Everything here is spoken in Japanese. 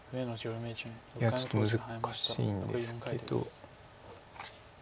いやちょっと難しいんですけど。